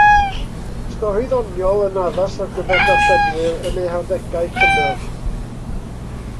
Stori ddoniol yn addas ar gyfer darllenwyr yn eu harddegau cynnar.